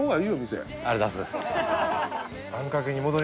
店ありがとうございますまたね